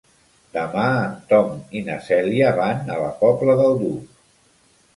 Demà en Tom i na Cèlia van a la Pobla del Duc.